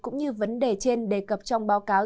cũng như vấn đề trên đề cập trong báo cáo